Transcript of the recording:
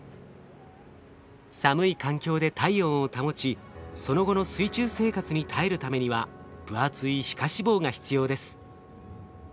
寒い環境で体温を保ちその後の水中生活に耐えるためには分厚い皮下脂肪が必要です。